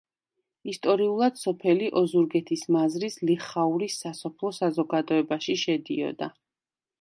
ისტორიულად სოფელი ოზურგეთის მაზრის ლიხაურის სასოფლო საზოგადოებაში შედიოდა.